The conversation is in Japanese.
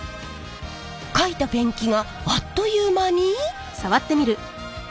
かいたペンキがあっという間に。